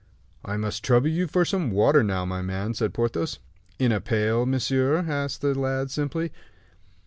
"I must trouble you for some water now, my man," said Porthos. "In a pail, monsieur?" asked the lad, simply.